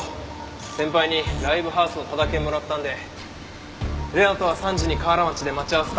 先輩にライブハウスのタダ券もらったんで礼菜とは３時に河原町で待ち合わせた。